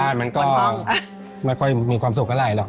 บ้านมันก็มันค่อยมีความสุขก็ไรหรอก